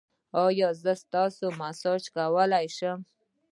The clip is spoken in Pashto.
ایا زه تاسو ته میسج کولی شم؟